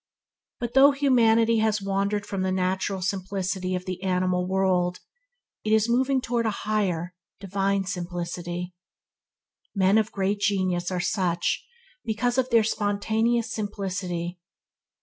But though humanity has wandered from the natural simplicity of the animal world, it is moving towards a higher, a divine simplicity. Men of great genius are such because of their spontaneous simplicity.